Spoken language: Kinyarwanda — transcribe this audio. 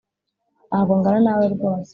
Ntago ngana nawe rwose